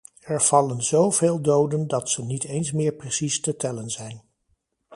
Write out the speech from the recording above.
Er vallen zo veel doden dat ze niet eens meer precies te tellen zijn.